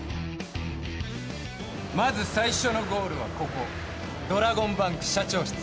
まず最初のゴールはドラゴンバンク社長室。